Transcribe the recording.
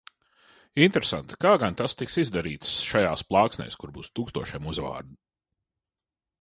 Interesanti, kā gan tas tiks izdarīts šajās plāksnēs, kur būs tūkstošiem uzvārdu.